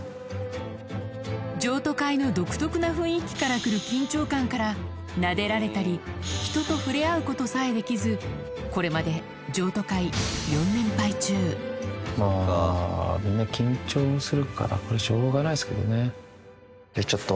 譲渡会の独特な雰囲気から来る緊張感からなでられたり人と触れ合うことさえできずこれまでまぁみんな緊張するからこれしょうがないですけどね。